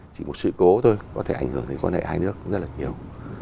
chỉ một sự cố thôi có thể ảnh hưởng đến quan hệ hai nước rất là nhiều